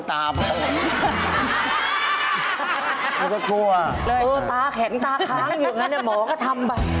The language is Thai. เออตาแข็งตาค้างอยู่อย่างนั้นหมอก็ทำไป